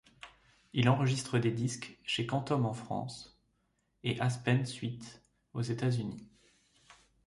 Il enregistre des disques, chez Quantum en France et Aspen Suite, aux États-Unis.